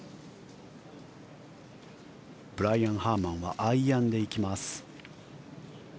ブライアン・ハーマンはアイアンで行きます。